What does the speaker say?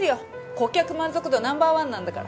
顧客満足度ナンバー１なんだから。